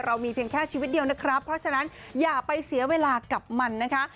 มีเพียงแค่ชีวิตเดียวนะครับเพราะฉะนั้นอย่าไปเสียเวลากับมันนะคะ